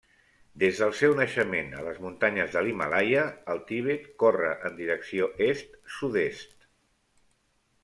Des del seu naixement a les muntanyes de l'Himàlaia al Tibet corre en direcció est-sud-est.